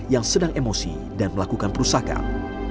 yang sedang emosi dan melakukan perusakan